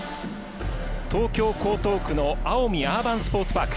東京・江東区の青海アーバンスポーツパーク。